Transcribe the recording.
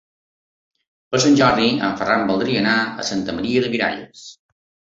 Per Sant Jordi en Ferran voldria anar a Santa Maria de Miralles.